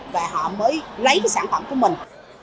và họ mới lấy sản phẩm của mình